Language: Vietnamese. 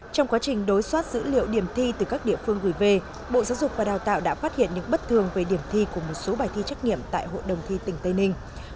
trong quá trình đối soát dữ liệu điểm thi từ các địa phương gửi về bộ giáo dục và đào tạo đã phát hiện những bất thường về điểm thi của một số bài thi trắc nghiệm tại hội đồng thi tỉnh tây ninh